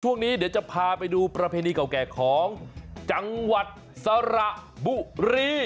ช่วงนี้เดี๋ยวจะพาไปดูประเพณีเก่าแก่ของจังหวัดสระบุรี